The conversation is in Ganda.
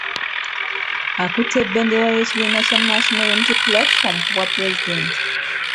Akutte bendera y'ekibiina kya National Unity Platform ku bwapulezidenti.